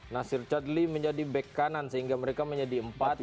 nasir chudley menjadi back kanan sehingga mereka menjadi empat tiga tiga